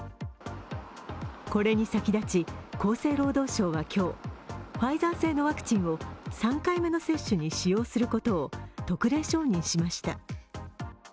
これに先立ち、厚生労働省は今日、ファイザー製のワクチンを３回目の接種に使用することを特例承認しました。